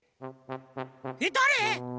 えっだれ？